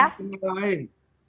tidak ada nama erick thohir